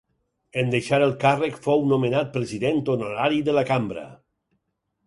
En deixar el càrrec fou nomenat president honorari de la Cambra.